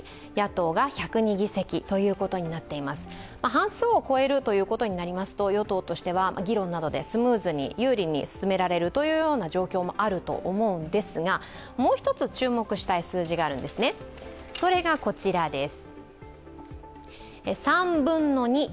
半数を超えることになりますと、与党としては議論などでスムーズに有利に進められるという状況もあると思うんですがもう一つ注目したい数字があるんですね、それがこちらです。